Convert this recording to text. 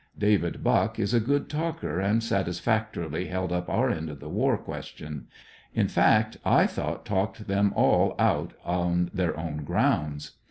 David Buck is a good talker, and satisfactorily held up our end of the war question ; in fact, I thought talked them all out on their own grounds.